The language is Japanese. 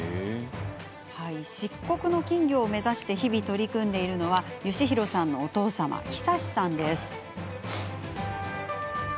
漆黒の金魚を目指して日々、取り組んでいるのは吉宏さんのお父様久志さんです。